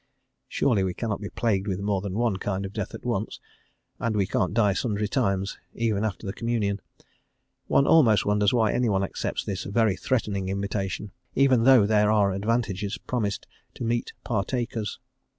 (Surely we cannot be plagued with more than one kind of death at once, and we can't die sundry times, even after the Communion.) One almost wonders why anyone accepts this very threatening invitation, even though there are advantages promised to "meet partakers."